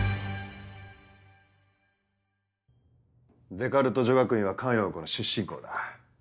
デカルト女学院は菅容子の出身校だ。